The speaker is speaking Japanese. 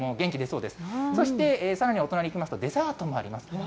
そしてさらにお隣行きますと、デザートもあります。